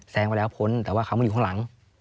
ไปแล้วพ้นแต่ว่าเขามาอยู่ข้างหลัง